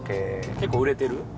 結構売れてる？